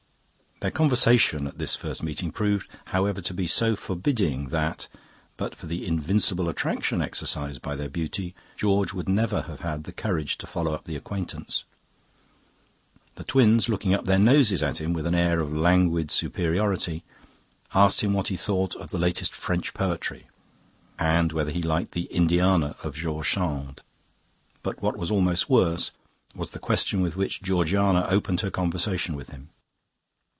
"Their conversation at this first meeting proved, however, to be so forbidding that, but for the invincible attraction exercised by their beauty, George would never have had the courage to follow up the acquaintance. The twins, looking up their noses at him with an air of languid superiority, asked him what he thought of the latest French poetry and whether he liked the 'Indiana' of George Sand. But what was almost worse was the question with which Georgiana opened her conversation with him.